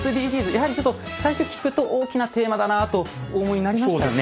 やはりちょっと最初聞くと大きなテーマだなあとお思いになりましたよね。